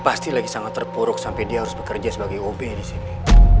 pasti lagi sangat terpuruk sampai dia harus bekerja sebagai ob di sini